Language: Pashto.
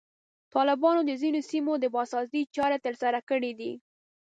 طالبانو د ځینو سیمو د بازسازي چارې ترسره کړي دي.